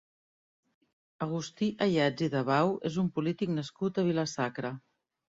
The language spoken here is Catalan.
Agustí Ayats i Dabau és un polític nascut a Vila-sacra.